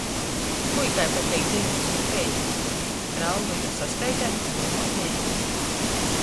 Puikai pateik dzejūļs par peilem, rauga juos saskaiteit i dūmuot leidza.